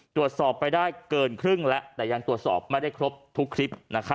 ตรวจสอบไปได้เกินครึ่งแล้วแต่ยังตรวจสอบไม่ได้ครบทุกคลิป